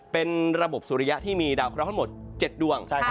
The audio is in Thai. เป็นระบบสุริยะที่มีดาวเคราะห์ทั้งหมด๗ดวง